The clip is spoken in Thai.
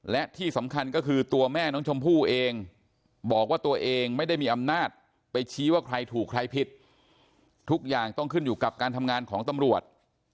และที่สำคัญก็คือตัวแม่น้องชมพู่เองบอกว่าตัวเองไม่ได้มีอำนาจไปชี้ว่าใครถูกใครผิดทุกอย่างต้องขึ้นอยู่กับการทำงานของตำรวจ